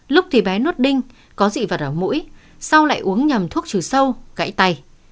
lúc thì bé nút đinh có dị vật ở mũi sau lại uống nhầm thuốc trừ sâu gãy tay